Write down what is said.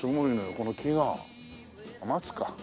この木がマツか。